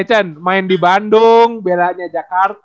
eh can main di bandung beratnya jakarta